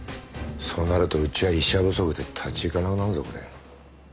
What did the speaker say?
そうなるとうちは医者不足で立ち行かなくなるぞこれ。